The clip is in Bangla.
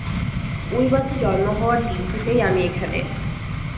ঐ বাচ্চা জন্ম হওয়ার দিন থেকেই আমি এখানে।